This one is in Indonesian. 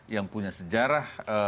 yang punya sejarah